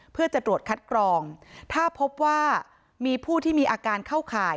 เพื่อจะตรวจคัดกรองถ้าพบว่ามีผู้ที่มีอาการเข้าข่าย